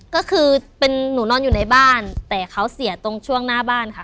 ก็คือเป็นหนูนอนอยู่ในบ้านแต่เขาเสียตรงช่วงหน้าบ้านค่ะ